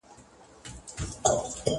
خاوند کومي ميرمني ته زياته توجه کوي؟